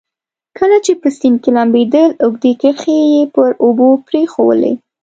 کله چې په سیند کې لمبېدل اوږدې کرښې به یې پر اوبو پرېښوولې.